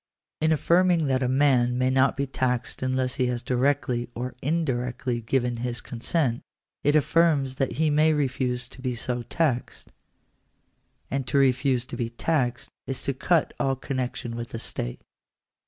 In affirming that a man may not be taxed unless he has directly or indirectly given his consent, it affirms that be may refuse to be so taxed ; and to refuse to be taxed, is to cut all connection with the state.